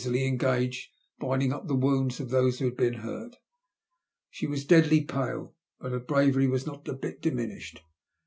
266 buBily engaged binding up the wounds of those who had been hurt. She was deadly pale, but her bravery was not a bit diminished.